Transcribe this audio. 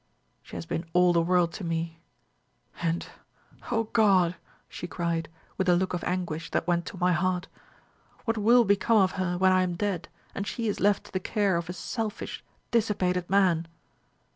She has been all the world to me. And, O God!' she cried, with a look of anguish that went to my heart, 'what will become of her when I am dead, and she is left to the care of a selfish dissipated man?'